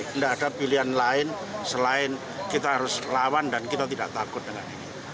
tidak ada pilihan lain selain kita harus lawan dan kita tidak takut dengan ini